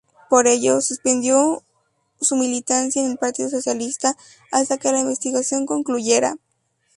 Por ello, suspendió su militancia en el Partido Socialista hasta que la investigación concluyera.